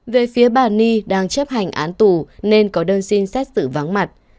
về phía bà ni đang chấp hành án tù nên có đơn xin xét xử vắng mặt